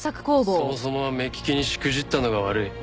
そもそもは目利きにしくじったのが悪い。